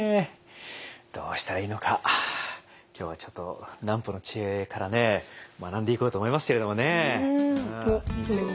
どうしたらいいのか今日はちょっと南畝の知恵からね学んでいこうと思いますけれどもね。